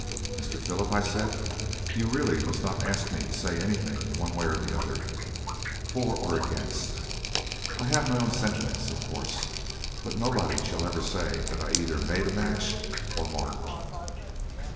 "'Mr. Philip,' I said, 'you really must not ask me to say anything one way or the other, for or against. I have my own sentiments, of course; but nobody shall ever say that I either made a match or marred one.'